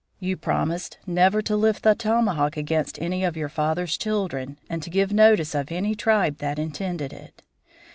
You promised never to lift up the tomahawk against any of your father's children, and to give notice of any other tribe that intended it.